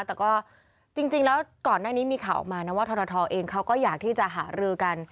แต่ก็จริงแล้วก่อนหน้านี้มีข่าวออกมานะว่าทรทเองเขาก็อยากที่จะหารือกัน